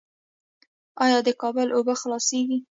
آیا د کابل اوبه خلاصیږي؟